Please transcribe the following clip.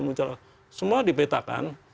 muncul semua dipetakan